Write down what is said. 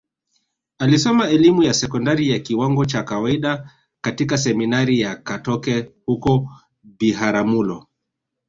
Alisoma elimu ya sekondari ya kiwango cha kawaida katika Seminari ya Katoke huko Biharamulo